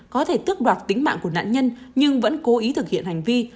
có thể tước đoạt tính mạng của nạn nhân nhưng vẫn cố ý thực hiện hành vi